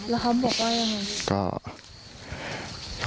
แล้วเขาบอกว่ายังไง